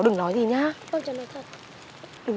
một mươi đúng không